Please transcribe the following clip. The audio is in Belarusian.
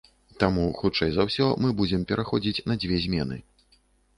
Таму, хутчэй за ўсё, мы будзем пераходзіць на дзве змены.